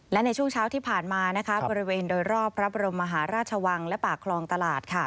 และในช่วงเช้าที่ผ่านมาบริเวณโดยรอบพระบรมมหาราชวังและปากคลองตลาด